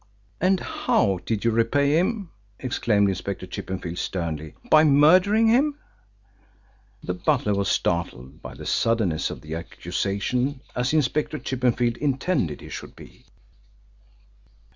"And how did you repay him," exclaimed Inspector Chippenfield sternly, "by murdering him?" The butler was startled by the suddenness of the accusation, as Inspector Chippenfield intended he should be.